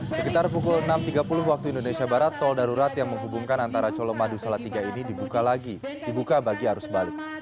sekitar pukul enam tiga puluh waktu indonesia barat tol darurat yang menghubungkan antara colomadu salatiga ini dibuka lagi dibuka bagi arus balik